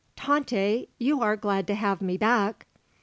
"Tante you are glad to have me back?"